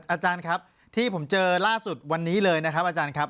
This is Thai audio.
อาจารย์ครับที่ผมเจอล่าสุดวันนี้เลยนะครับอาจารย์ครับ